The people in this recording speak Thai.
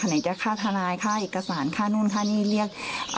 ไหนจะค่าทนายค่าเอกสารค่านู่นค่านี่เรียก